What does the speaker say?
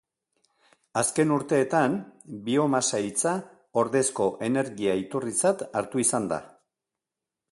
Azken urteetan biomasa hitza ordezko energia-iturritzat hartu izan da.